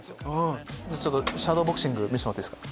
シャドーボクシング見せてもらっていいですか？